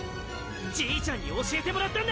じいちゃんに教えてもらったんだ！